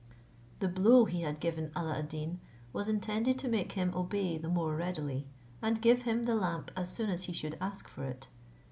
The blow he had given Alla ad Deen was intended to make him obey the more readily, and give him the lamp as soon as he should ask for it.